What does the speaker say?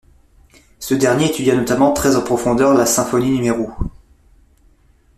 Ce dernier étudia notamment très en profondeur la Symphonie No.